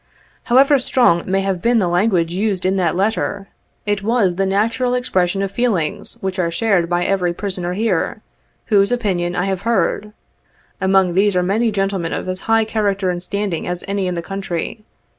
However strong may have been the language used in that letter, it was the natural expression of feelings which are shared by every prisoner here, whose o] ininn I have heard. Among these are many gentlemen of as high character and standing as any in the country.